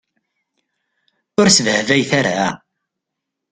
Ur sbehbayet ara.